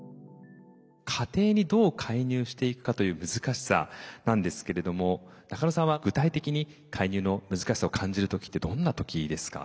家庭にどう介入していくかという難しさなんですけれども中野さんは具体的に介入の難しさを感じる時ってどんな時ですか？